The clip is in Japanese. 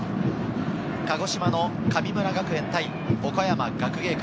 鹿児島の神村学園対岡山学芸館。